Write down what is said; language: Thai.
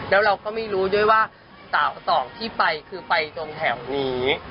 แล้วเราก็ไม่รู้ด้วยว่าสาวสองที่ไปคือไปตรงแถวนี้